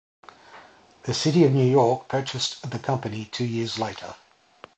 The city of New York purchased the company two years later.